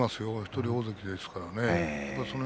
一人大関ですからね。